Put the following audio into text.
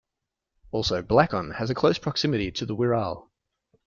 Also Blacon has a close proximity to the Wirral.